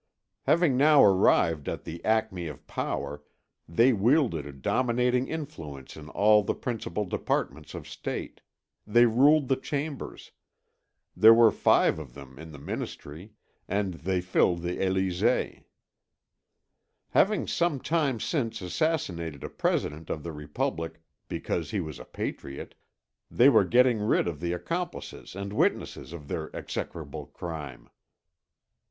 Having now arrived at the acme of power, they wielded a dominating influence in all the principal departments of State, they ruled the Chambers, there were five of them in the Ministry, and they filled the Élysée. Having some time since assassinated a President of the Republic because he was a patriot, they were getting rid of the accomplices and witnesses of their execrable crime.